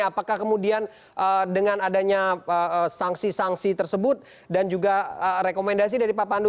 apakah kemudian dengan adanya sanksi sanksi tersebut dan juga rekomendasi dari pak pandu